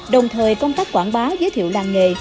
đồng thời công tác quảng bá giới thiệu làng nghề